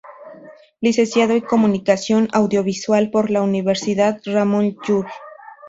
Licenciado en Comunicación Audiovisual por la Universidad Ramon Llull.